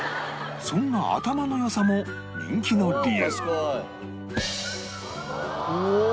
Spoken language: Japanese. そんな頭の良さも人気の理由うおお。